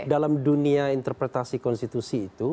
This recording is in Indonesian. dalam dunia interpretasi konstitusi itu